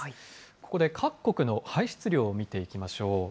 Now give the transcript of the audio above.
ここで各国の排出量を見ていきましょう。